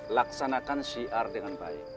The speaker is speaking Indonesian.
laksanakan syi'an dengan baik